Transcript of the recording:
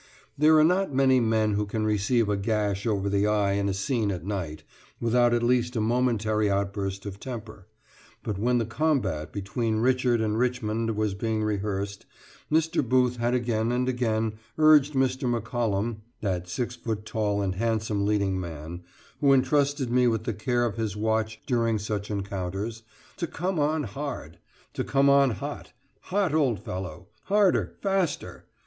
There are not many men who can receive a gash over the eye in a scene at night, without at least a momentary outburst of temper; but when the combat between Richard and Richmond was being rehearsed, Mr. Booth had again and again urged Mr. McCollom (that six foot tall and handsome leading man, who entrusted me with the care of his watch during such encounters) to come on hard! to come on hot! hot, old fellow! harder faster!